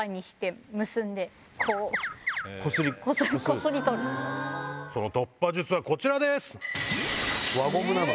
その突破術はこちらです。